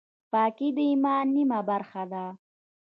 پاکي د ایمان نیمه برخه ده.